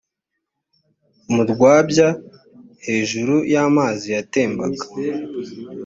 mu rwabya hejuru, y’amazi yatembaga